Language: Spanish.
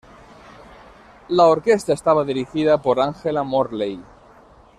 La orquesta estaba dirigida por Angela Morley.